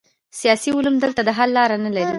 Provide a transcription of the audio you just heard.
سیاسي علوم دلته د حل لاره نلري.